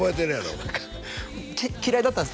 アカン嫌いだったんです